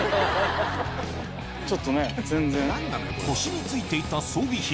腰についていた装備品